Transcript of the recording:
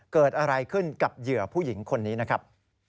เกิดอะไรขึ้นกับเหยื่อผู้หญิงคนนี้นะครับ